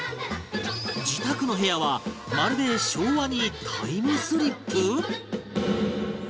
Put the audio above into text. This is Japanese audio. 自宅の部屋はまるで昭和にタイムスリップ！？